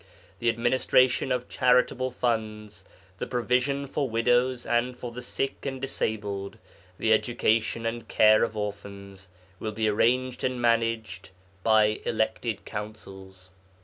The administration of charitable funds, the provision for widows and for the sick and disabled, the education and care of orphans, will be arranged and managed by elected Councils.